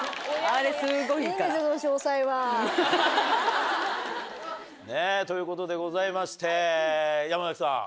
あれすごいいいから。ということでございまして山崎さん